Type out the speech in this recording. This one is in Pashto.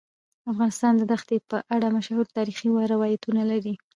افغانستان د دښتې په اړه مشهور تاریخی روایتونه لري.